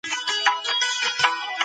ده د تاريخ ثبت او فرهنګي کارونه وکړ